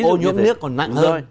ô nhiễm nước còn nặng hơn